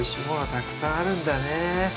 たくさんあるんだね